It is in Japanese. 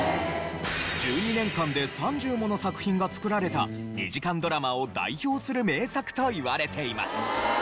１２年間で３０もの作品が作られた２時間ドラマを代表する名作といわれています。